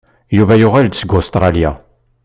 Yuba yuɣal-d seg Ustṛalya.